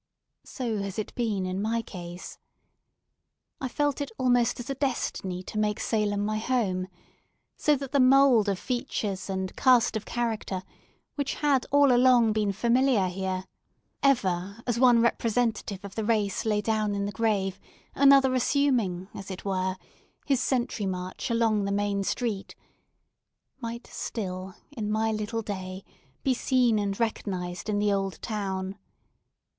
So has it been in my case. I felt it almost as a destiny to make Salem my home; so that the mould of features and cast of character which had all along been familiar here—ever, as one representative of the race lay down in the grave, another assuming, as it were, his sentry march along the main street—might still in my little day be seen and recognised in the old town.